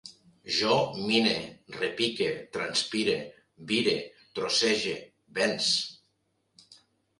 Jo mine, repique, transpire, vire, trossege, venç